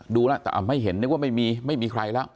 ดูแล้วแต่ไม่เห็นนึกว่าไม่มีไม่มีใครแล้ว